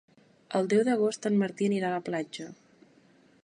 El deu d'agost en Martí anirà a la platja.